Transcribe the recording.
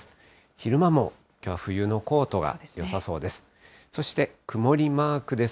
昼間もきょうは冬のコートがよさそうです。